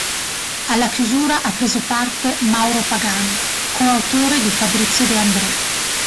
Alla chiusura ha preso parte Mauro Pagani, coautore di Fabrizio De André.